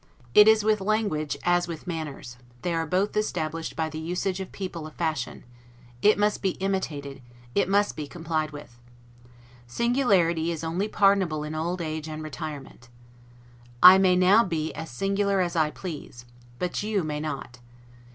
It is with language as with manners they are both established by the usage of people of fashion; it must be imitated, it must be complied with. Singularity is only pardonable in old age and retirement; I may now be as singular as I please, but you may not.